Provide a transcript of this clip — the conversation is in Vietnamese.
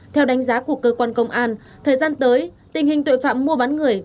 theo đánh giá của cơ quan công an thời gian tới tình hình tội phạm mua bán người